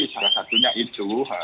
salah satunya itu